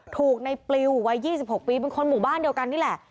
ถูกในปลิววัย๒๖ปีเป็นคนหมู่บ้านเดียวกันนี่แหละ